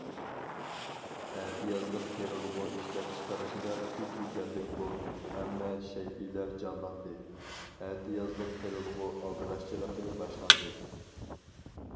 ئەتىيازلىق تېرىلغۇ ئىشلەپچىقىرىشىدا كۈچ يېتەرلىك بولدى ھەممە شەيئىلەر جانلاندى، ئەتىيازلىق تېرىلغۇ ئالدىراشچىلىقى باشلاندى.